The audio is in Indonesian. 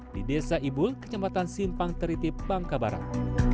di desa ibul kecamatan simpang teritip bangka barat